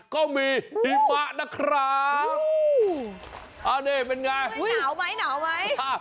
ก็มีหิมะนะครับเอานี่เป็นไงหนาวไหมหนาวไหม